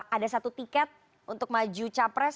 ada satu tiket untuk maju capres